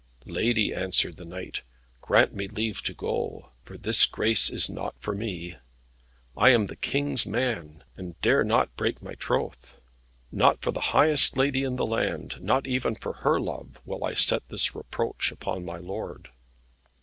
"Lady," answered the knight, "grant me leave to go, for this grace is not for me. I am the King's man, and dare not break my troth. Not for the highest lady in the world, not even for her love, will I set this reproach upon my lord."